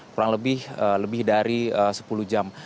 kurang lebih dari sepuluh jam